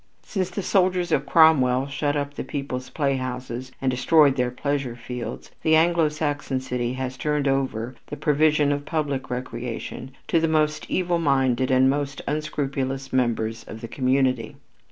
Since the soldiers of Cromwell shut up the people's playhouses and destroyed their pleasure fields, the Anglo Saxon city has turned over the provision for public recreation to the most evil minded and the most unscrupulous members of the community.